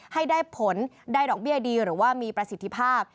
ให้ได้ผลได้ดอกเบี้ยดีหรือว่ามีประสิทธิภาพ